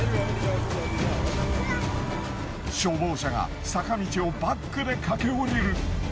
消防車が坂道をバックで駆け下りる。